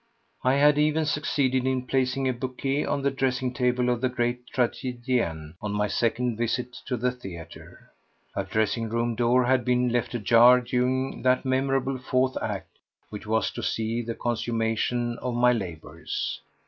I had even succeeded in placing a bouquet on the dressing table of the great tragedienne on my second visit to the theatre. Her dressing room door had been left ajar during that memorable fourth act which was to see the consummation of my labours.